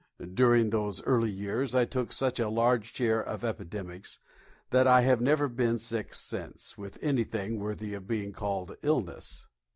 During those early years I took such a large share of epidemics that I have never been sick since with anything worthy of being called illness.